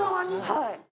はい。